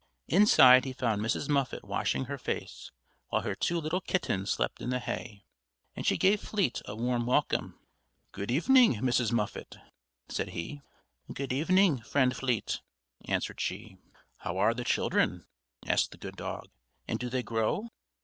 Inside he found Mrs. Muffet washing her face, while her two little kittens slept in the hay; and she gave Fleet a warm welcome. "Good evening, Mrs. Muffet," said he. "Good evening, Friend Fleet," answered she. "How are the children?" asked the good dog, "and do they grow?"